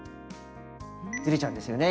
ずれちゃうんですよね